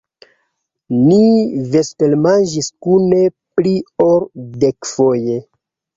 Ni vespermanĝis kune pli ol dekfoje!